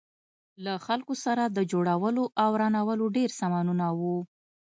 له هغو خلکو سره د جوړولو او ورانولو ډېر سامانونه وو.